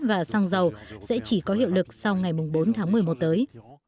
và xăng dầu sẽ chỉ có hiệu lực sau ngày bốn tháng một mươi một tới